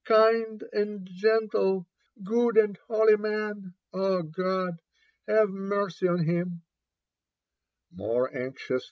Kind and gentle. — good and holy man !— God, have mercy on hina 1" More anxiqus.